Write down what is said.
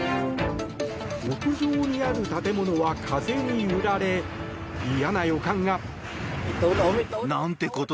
屋上にある建物は風に揺られ嫌な予感が。